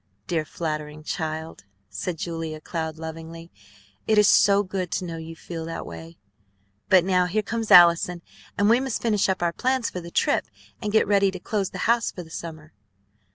"Dear, flattering child!" said Julia Cloud lovingly. "It is so good to know you feel that way! But now here comes Allison, and we must finish up our plans for the trip and get ready to close the house for the summer."